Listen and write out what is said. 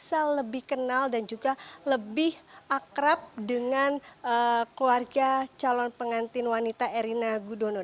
jadi ini akan menjadi lebih terkenal dan juga lebih akrab dengan keluarga calon pengantin wanita erina gununo